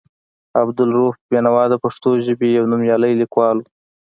عبدالرؤف بېنوا د پښتو ژبې یو نومیالی لیکوال و.